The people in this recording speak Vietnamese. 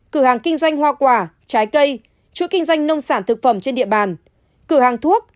cửa hàng kinh doanh hoa quả trái cây chuỗi kinh doanh nông sản thực phẩm trên địa bàn cửa hàng thuốc